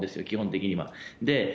基本的には。